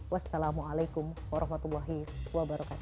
wassalamualaikum warahmatullahi wabarakatuh